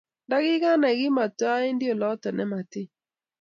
Ndagiganai, kimatwendi olotok ne motiny.